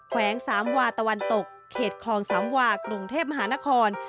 แวงสามวาตะวันตกเขตคลองสามวากรุงเทพมหานคร